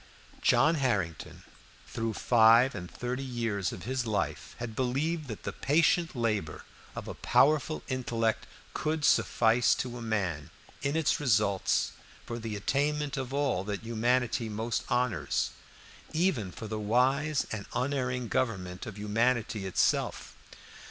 John Harrington, through five and thirty years of his life, had believed that the patient labor of a powerful intellect could suffice to a man, in its results, for the attainment of all that humanity most honors, even for the wise and unerring government of humanity itself.